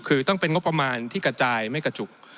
คือต้องเป็นงบประมาณที่กระจายไม่กระจุก